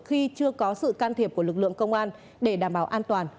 khi chưa có sự can thiệp của lực lượng công an để đảm bảo an toàn